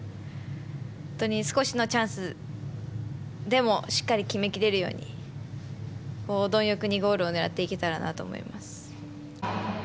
本当に少しのチャンスでもしっかり決めきれるように貪欲にゴールを狙っていけたらなと思います。